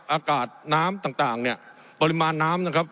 อากาศน้ำต่างเนี่ยปริมาณน้ำนะครับ